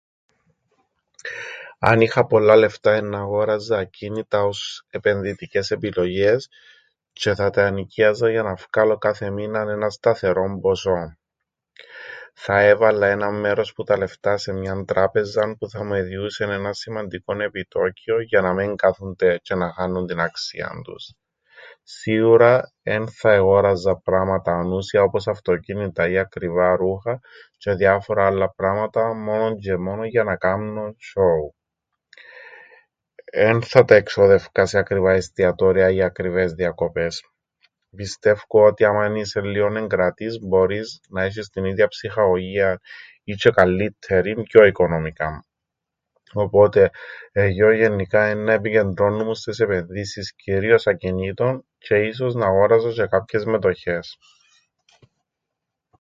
Αν είχα πολλά λεφτά εννά 'γόραζα ακίνητα ως επενδυτικές επιλογές, τζ̆αι θα τα ενοικίαζα για να φκάλω κάθε μήναν έναν σταθερόν ποσόν. Θα έβαλλα έναν μέρος που τα λεφτά σε μιαν τράπεζαν που θα μου εδιούσεν έναν σημαντικόν επιτόκιον, για να μεν κάθουνται τζ̆αι να χάννουν την αξίαν τους. Σίουρα, εν θα εγόραζα πράματα ανούσια, όπως αυτοκίνητα ή ακριβά ρούχα, τζ̆αι διάφορα άλλα πράματα, μόνον τζ̆αι μόνον για να κάμνω σ̆όου. Εν θα τα εξόδευκα σε ακριβά εστιατόρια ή ακριβές διακοπές. Πιστεύκω ότι άμαν είσαι λλίον εγκρατής, μπορείς να έσ̆εις την ίδιαν ψυχαγωγίαν, ή τζ̆αι καλλύττερην, πιο οικονομικά. Οπότε, εγιώ γεννικά έννα επικεντρώννουμουν στες επενδύσεις κυρίως ακινήτων τζ̆αι ίσως να 'γόραζα τζ̆αι κάποιες μετοχές.